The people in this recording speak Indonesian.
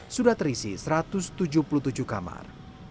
sudah terisi satu ratus tujuh puluh tujuh kamar